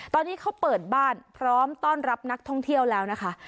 ตอนนี้เขาเปิดบ้านพร้อมต้อนรับนักท่องเที่ยวแล้วนะคะ